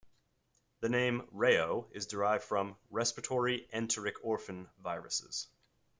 The name "Reo-" is derived from "respiratory enteric orphan viruses.